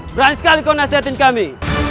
berani sekali kau nasihatin kami